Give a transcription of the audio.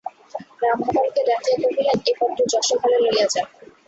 রামমোহনকে ডাকিয়া কহিলেন, এই পত্র যশোহরে লইয়া যা।